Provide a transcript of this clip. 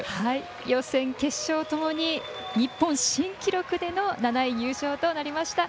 予選、決勝ともに日本新記録での７位入賞となりました。